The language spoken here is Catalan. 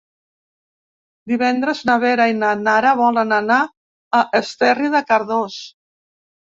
Divendres na Vera i na Nara volen anar a Esterri de Cardós.